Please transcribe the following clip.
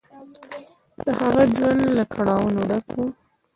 د هغه ژوند له کړاوونو ډک و.